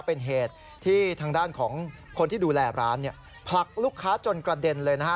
เป็นเหตุที่ทางด้านของคนที่ดูแลร้านเนี่ยผลักลูกค้าจนกระเด็นเลยนะฮะ